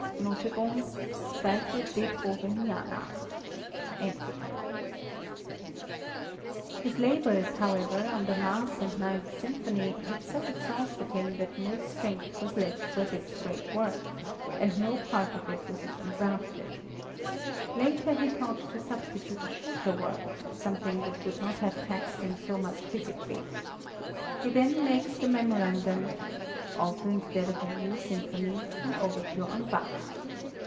"[C] His labors, however, on the Mass and Ninth Symphony had so exhausted him that no strength was left for this great work, and no part of it was even drafted. Later he thought to substitute a shorter work, something which would not have taxed him so much physically. He then makes the memorandum, "also instead of a new Symphony, an overture on Bach."